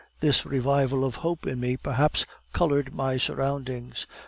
This revival of hope in me perhaps colored my surroundings.